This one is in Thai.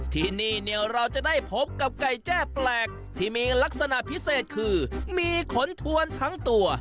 ที่นี่เนี่ยเราจะได้พบกับไก่แจ้แปลกที่มีลักษณะพิเศษคือมีขนทวนทั้งตัว